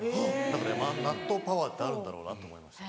だから納豆パワーってあるんだろうなと思います。